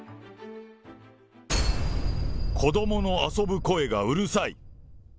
子どもの遊ぶ声がうるさい。